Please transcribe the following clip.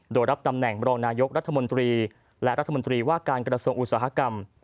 โดยรับตำแหน่งรองนายกรัฐมนตรีและรัฐมนตรีว่าการกระทรวงอุตสาหกรรม